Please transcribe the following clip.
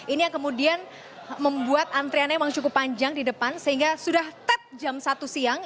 ini yang kemudian membuat antriannya memang cukup panjang di depan sehingga sudah ted jam satu siang